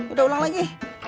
udah ulang lagi